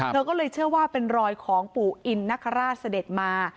เธอก็เลยเชื่อว่าเป็นรอยของปู่อินนคราชเสด็จมา